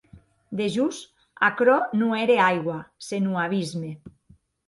Dejós, aquerò non ère aigua, senon abisme.